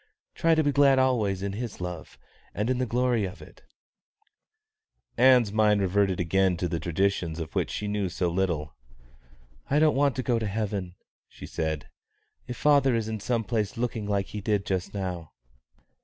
Try to be glad always in His love and in the glory of it." Ann's mind had reverted again to the traditions of which she knew so little. "I don't want to go to heaven," she said, "if father is in some place looking like he did just now."